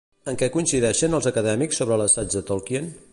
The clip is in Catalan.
En què coincideixen els acadèmics sobre l'assaig de Tolkien?